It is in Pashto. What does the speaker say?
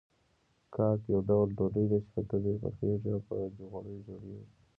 کاک يو ډول ډوډۍ ده چې په تبۍ پخېږي او په غوړيو غوړېږي.